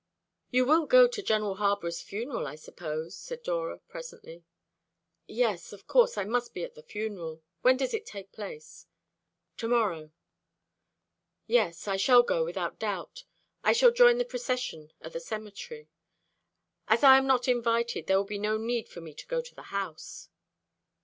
"You will go to General Harborough's funeral, I suppose?" said Dora presently. "Yes, of course I must be at the funeral. When does it take place?" "To morrow." "Yes, I shall go without doubt. I shall join the procession at the cemetery. As I am not invited, there will be no need for me to go to the house."